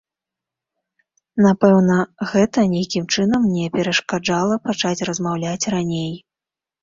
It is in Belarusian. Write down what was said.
Напэўна, гэта нейкім чынам мне перашкаджала пачаць размаўляць раней.